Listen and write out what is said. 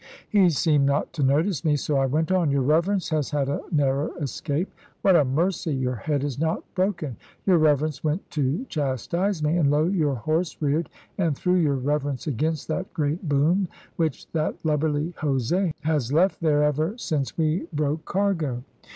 He seemed not to notice me, so I went on, "Your Reverence has had a narrow escape. What a mercy your head is not broken! Your Reverence went to chastise me, and lo! your horse reared and threw your Reverence against that great boom which that lubberly Jose has left there ever since we broke cargo."